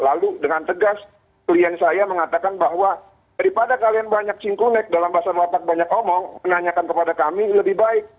lalu dengan tegas klien saya mengatakan bahwa daripada kalian banyak singkonek dalam bahasa watak banyak omong menanyakan kepada kami lebih baik